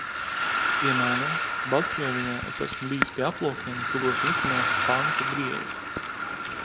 Piemēram, Baltkrievijā es esmu bijis pie aplokiem, kuros mitinās pantu brieži.